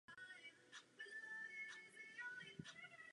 Komunikace jsou ve velmi dobrém stavu.